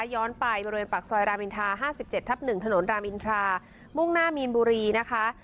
ย้อนไปบริเวณปากซอยรามอินทรา๕๗ทับ๑ถนนรามอินทรามุ่งหน้ามีนบุรีนะคะ